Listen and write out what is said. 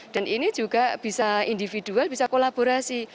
dan ini juga bisa individual bisa kolaborasi